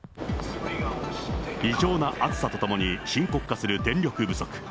異常な暑さとともに深刻化する電力不足。